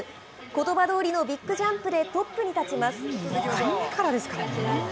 ことばどおりのビッグジャンプでトップに立ちます。